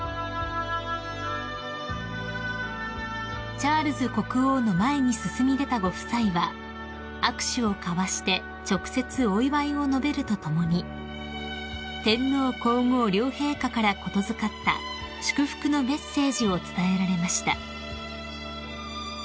［チャールズ国王の前に進み出たご夫妻は握手を交わして直接お祝いを述べるとともに天皇皇后両陛下から言付かった祝福のメッセージを伝えられました］